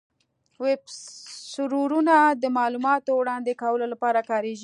ویب سرورونه د معلوماتو وړاندې کولو لپاره کارېږي.